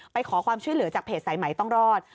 ไปขอความช่วยเหลือจากเพจสายใหม่ต้องรอด